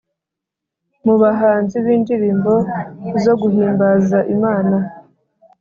mu bahanzi b’indirimbo zo guhimbaza imana